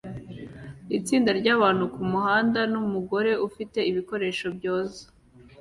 Itsinda ryabantu kumuhanda numugore ufite ibikoresho byoza